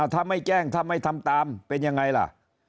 ถ้าไม่แจ้งถ้าไม่ทำตามเป็นยังไงล่ะ